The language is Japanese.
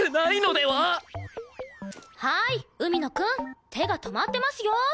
はい海野くん手が止まってますよ？